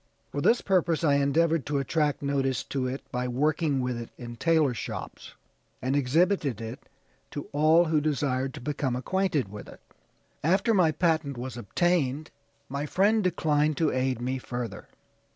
For this purpose I endeavored to attract notice to it by working with it in tailor shops, and exhibited it to all who desired to become acquainted with it. After my patent was obtained, my friend declined to aid me further.